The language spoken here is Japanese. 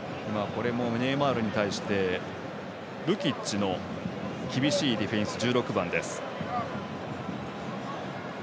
ネイマールに対してルキッチの厳しいディフェンス１６番です。